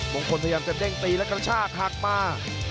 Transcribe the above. พยายามจะเด้งตีและกระชากหักมา